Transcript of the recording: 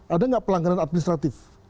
ada tidak pelangganan administratif